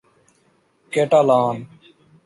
Catalan